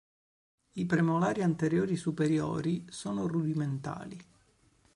I premolari anteriori superiori sono rudimentali.